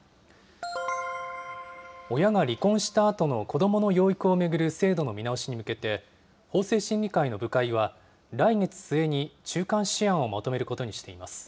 親が離婚したあとの子どもの養育を巡る制度の見直しに向けて、法制審議会の部会は、来月末に中間試案をまとめることにしています。